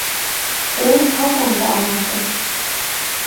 Ул ҡарҙан да ағыраҡ ине.